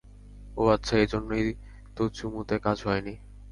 ও আচ্ছা, এজন্যই তো চুমুতে কাজ হয়নি।